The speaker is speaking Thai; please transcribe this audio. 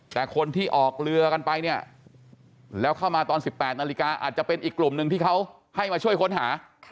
แต่คนที่ออกเรือกันไปเนี่ยแล้วเข้ามาตอน๑๘นาฬิกาอาจจะเป็นอีกกลุ่มหนึ่งที่เขาให้มาช่วยค้นหา